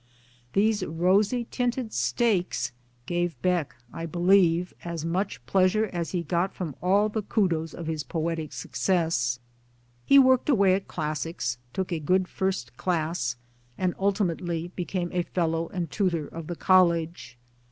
iThese rosy tinted steaks gave Beck, I believe, as much pleasure as he got from all the kudos of his poetic success. He worked away at Classics, took a good first class, and ultimately became a fellow and tutor of the College.